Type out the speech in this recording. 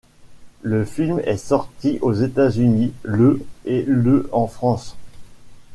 Le film est sorti aux États-Unis le et le en France.